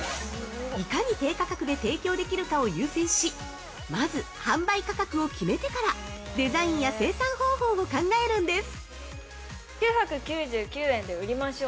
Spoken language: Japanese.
いかに低価格で提供できるかを優先し、まず販売価格を決めてからデザインや生産方法を考えるんです。